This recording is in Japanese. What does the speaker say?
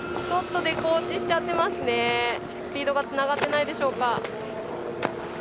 スピードがつながってないでしょうか。